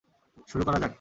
শুরু করা যাক!